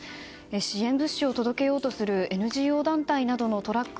支援物資を届けようとするＮＧＯ団体などのトラック